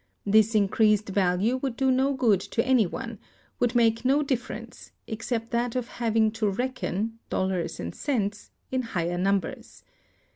This increased value would do no good to any one; would make no difference, except that of having to reckon [dollars and cents] in higher numbers.